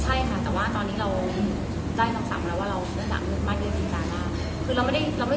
ใช่ค่ะแต่ว่าตอนนี้เราใกล้ต้องสั่งแล้วว่าเราไม่สามารถยืนมาด้วยดีการมาก